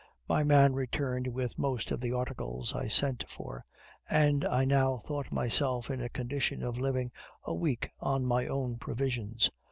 My man returned with most of the articles I sent for, and I now thought myself in a condition of living a week on my own provisions.